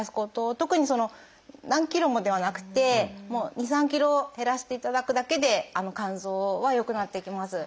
特にその何ｋｇもではなくて２３ｋｇ減らしていただくだけで肝臓は良くなっていきます。